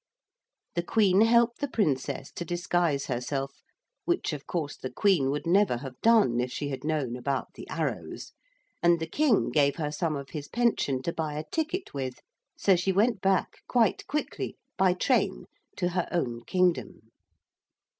"' The Queen helped the Princess to disguise herself, which, of course, the Queen would never have done if she had known about the arrows; and the King gave her some of his pension to buy a ticket with, so she went back quite quickly, by train, to her own kingdom.